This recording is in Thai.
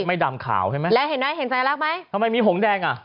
ไม่ดำขาวใช่ไหมแล้วเห็นไหมเห็นสัญลักษณ์ไหมทำไมมีหงแดงอ่ะ